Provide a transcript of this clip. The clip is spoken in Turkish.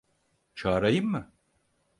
Çağırayım mı?